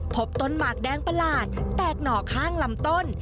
พบต้นหมากแดงประหลาดแตกหน่อข้างลำต้น